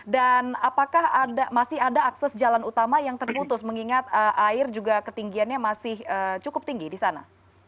dan apakah masih ada akses jalan utama yang terputus mengingat air juga ketinggiannya masih cukup tinggi di sana